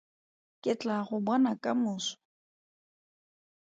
Ke tlaa go bona ka moso.